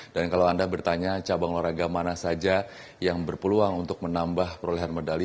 dan kalau anda bertanya cabang olahraga mana saja yang berpeluang untuk menambah perolehan medali